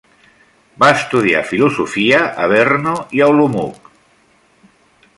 Va estudiar Filosofia a Brno i a Olomouc.